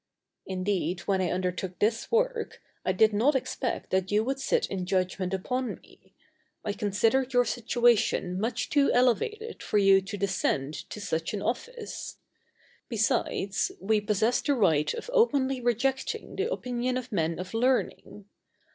Indeed, when I undertook this work, I did not expect that you would sit in judgment upon me; I considered your situation much too elevated for you to descend to such an office. Besides, we possess the right of openly rejecting the opinion of men of learning.